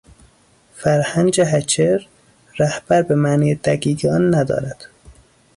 فرهنگ هکر، رهبر به معنی دقیق آن ندارد.